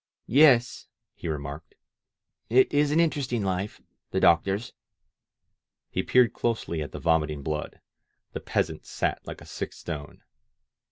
"Yes," he remarked, "it is an interesting life, the doc tor's." He peered closely at the vomiting blood; the peasant sat like a sick stone.